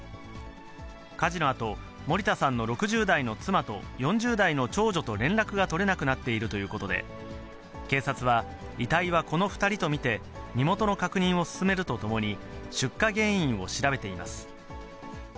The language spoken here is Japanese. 火事のあと、森田さんの６０代の妻と４０代の長女と連絡が取れなくなっているということで、警察は遺体はこの２人と見て、身元の確認を進めるとともに、出火原因を調べています。